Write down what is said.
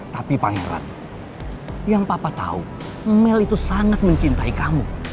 tapi pangeran yang papa tahu mel itu sangat mencintai kamu